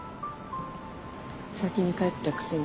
先に帰ったくせに。